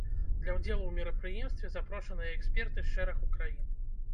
Для ўдзелу ў мерапрыемстве запрошаныя эксперты з шэрагу краін.